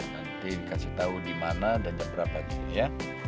nanti kasih tau di mana dan jam berapa lagi ya